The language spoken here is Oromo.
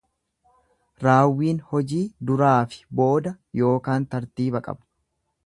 Raawwiin hojii duraafi booda yookaan tartiiba qaba.